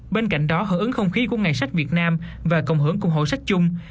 bên cạnh đó hợp ứng không khí của ngày sách việt nam và cộng hưởng cùng hội sách chung